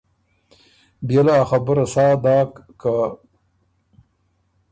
بيې له ا خبُره سا داک که